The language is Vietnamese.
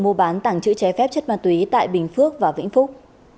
mua bán tảng chữ trái phép chất ma túy tại bình phước và vĩnh phúc